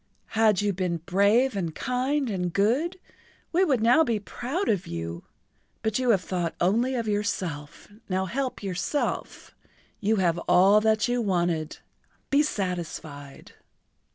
Had you been brave and kind and good we would now be proud of you. But you have thought only of yourself, now help yourself. You have all that you wanted—be satisfied."